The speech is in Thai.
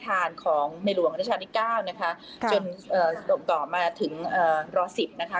ทานของในหลวงรัฐชาติที่๙นะคะจนต่อมาถึงรอ๑๐นะคะ